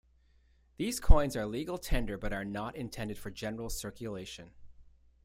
These coins are legal tender but are not intended for general circulation.